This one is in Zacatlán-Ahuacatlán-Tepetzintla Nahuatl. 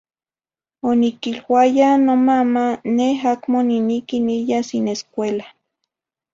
Oniquiluaya nomama “Neh acmo niniqui niyas in escuela"